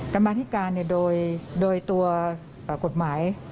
กรรมาธิการโดยตัวกฎหมาย